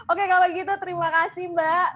oke kalau gitu terima kasih mbak